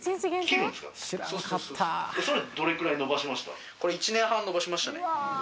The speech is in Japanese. それどれくらい伸ばしました？